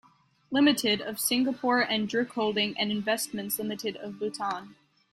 Limited, of Singapore and Druk Holding and Investments Limited of Bhutan.